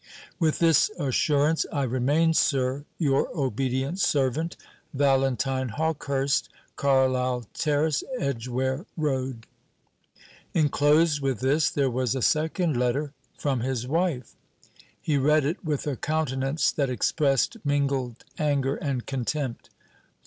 "With this assurance, I remain, sir, Your obedient servant, VALENTINE HAWKEHURST. Carlyle Terrace, Edgware Road." Enclosed with this there was a second letter from his wife. He read it with a countenance that expressed mingled anger and contempt.